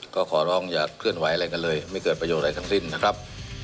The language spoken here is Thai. ก็ขอร้องอย่าเคลื่อนไหวอะไรกันเลยไม่เกิดประโยชน์อะไรทั้งสิ้นนะครับ